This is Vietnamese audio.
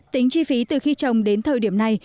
tính chi phí từ khi trồng đến thời điểm này